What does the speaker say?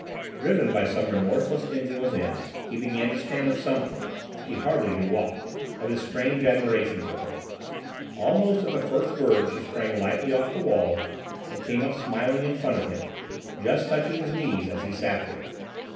Driven by some remorseless engine within he began to stammer something—he hardly knew what—of his strange admiration for her. Almost at the first word she sprang lightly off the wall and came up smiling in front of him, just touching his knees as he sat there.